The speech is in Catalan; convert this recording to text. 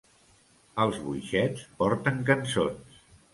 Els boixets porten cançons.